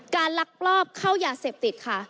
ลักลอบเข้ายาเสพติดค่ะ